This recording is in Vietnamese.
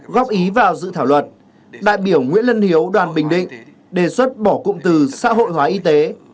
góp ý vào dự thảo luật đại biểu nguyễn lân hiếu đoàn bình định đề xuất bỏ cụm từ xã hội hóa y tế